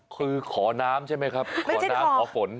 คือขอน้ำใช่ไหมครับขอน้ำขอฝน